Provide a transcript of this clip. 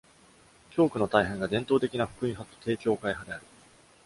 教区の大半が伝統的な福音派と低教会派である。